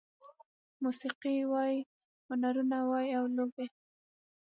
موسيقي وای، هنرونه وای او لوبې